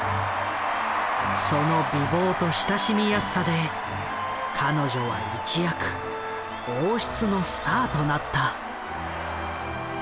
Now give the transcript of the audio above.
その美貌と親しみやすさで彼女は一躍王室のスターとなった。